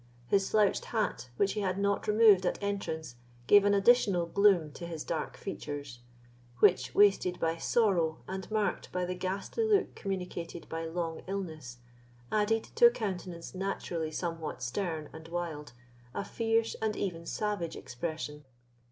His slouched hat, which he had not removed at entrance, gave an additional gloom to his dark features, which, wasted by sorrow and marked by the ghastly look communicated by long illness, added to a countenance naturally somewhat stern and wild a fierce and even savage expression.